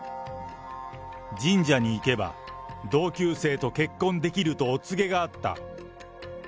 神社に行けば同級生と結婚できるとお告げがあった。